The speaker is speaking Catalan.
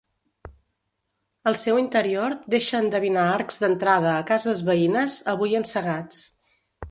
El seu interior deixa endevinar arcs d'entrada a cases veïnes, avui encegats.